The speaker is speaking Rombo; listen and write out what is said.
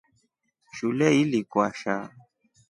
Shule ili kwasha.